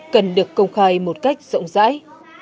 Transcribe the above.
cần được công khai một cách rộng rãi